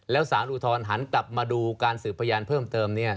แล้วสารอุทธรณ์หันกลับมาดูการสืบพยานเพิ่มเติม